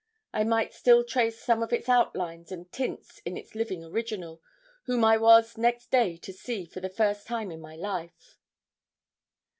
I might still trace some of its outlines and tints in its living original, whom I was next day to see for the first time in my life.